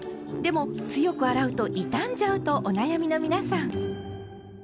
でも強く洗うと傷んじゃうとお悩みの皆さん。